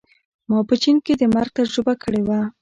ما په چین کې د مرګ تجربه کړې وه